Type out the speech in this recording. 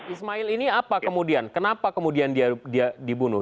ismail ini apa kemudian kenapa kemudian dia dibunuh